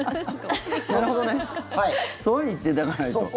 そういうふうに言っていただかないと。